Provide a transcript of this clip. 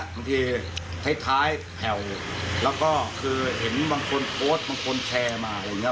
บางทีท้ายแผ่วแล้วก็คือเห็นบางคนโพสต์บางคนแชร์มาอะไรอย่างนี้